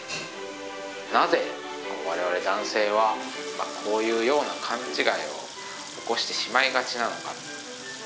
なぜ我々男性はこういうような勘違いを起こしてしまいがちなのか。